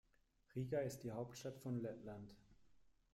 Riga ist die Hauptstadt von Lettland.